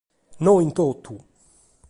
No in totu!